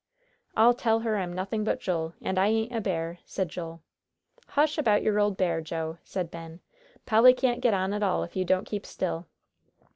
"I'll tell her I'm nothing but Joel, and I ain't a bear," said Joel. "Hush about your old bear, Joe," said Ben. "Polly can't get on at all if you don't keep still."